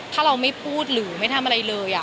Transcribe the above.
ถ้าเราไม่พูดหรือไม่ทำอะไรเลย